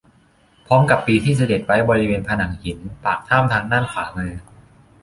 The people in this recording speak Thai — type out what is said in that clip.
พร้อมกับปีที่เสด็จไว้บริเวณผนังหินปากถ้ำทางด้านขวามือ